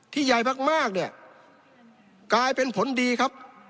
ใหญ่มากเนี่ยกลายเป็นผลดีครับ